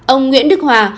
ông nguyễn đức hòa